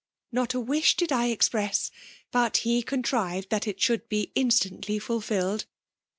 Not a wi^ did I express, but he contrived thai it should be instantly fulfilled.